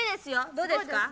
どうですか？